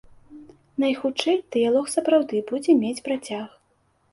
Найхутчэй, дыялог сапраўды будзе мець працяг.